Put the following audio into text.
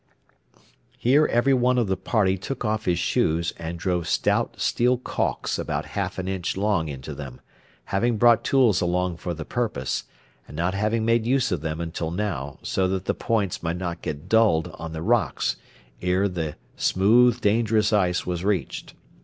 Here every one of the party took off his shoes and drove stout steel caulks about half an inch long into them, having brought tools along for the purpose, and not having made use of them until now so that the points might not get dulled on the rocks ere the smooth, dangerous ice was reached.